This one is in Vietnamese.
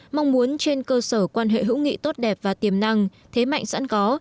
mong muốn trên cơ sở quan hệ hữu nghị tốt đẹp và tiềm năng thế mạnh sẵn có